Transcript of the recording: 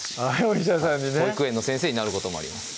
お医者さんにね保育園の先生になることもあります